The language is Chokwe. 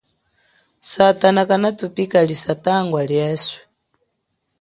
Satana kana tupikalisa tangwa lieswe.